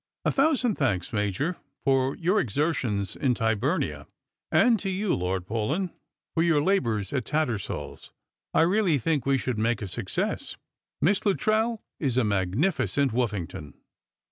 A thousand thanks, Major, for your exertions in Tyburnia, and to you, Lord Paulyn, for your labours at TattersaU's. I really think we shall make a success. Miss LuttreU is a magnificent Wotfina^ton."